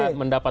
oh bukan gini